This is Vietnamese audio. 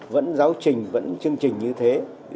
vẫn giáo trình vẫn chương trình như thế